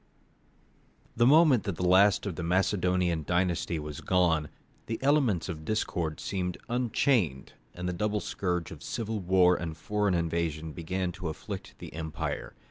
The moment that the last of the Macedonian dynasty was gone, the elements of discord seemed unchained, and the double scourge of civil war and foreign invasion began to afflict the empire.